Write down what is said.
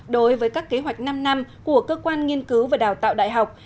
đối với các kế hoạch năm năm của cơ quan nghiên cứu và đào tạo đại học